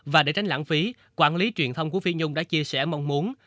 và để tránh lãng phí quản lý truyền thông của phi nhung đã chia sẻ mong muốn